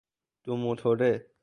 دو موتوره